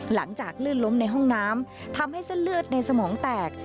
ลื่นล้มในห้องน้ำทำให้เส้นเลือดในสมองแตก